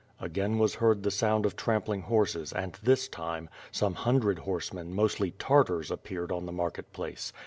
Again was heard the sound of trampling horses and, this time, some hundred horsemen, mostly Tartars, appeared on the market place.